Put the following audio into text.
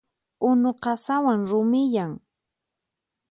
Unu qasawan rumiyan.